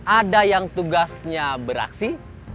ada yang tugasnya beraksi